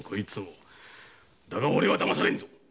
だがオレはだまされんぞ。